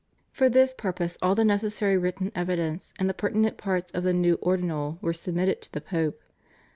For this purpose all the necessary written evidence and the pertinent parts of the new Ordinal were submitted to the Pope.